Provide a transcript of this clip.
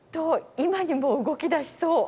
今にも動き出しそう！